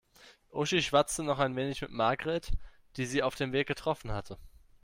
Uschi schwatzte noch ein wenig mit Margret, die sie auf dem Weg getroffen hatte.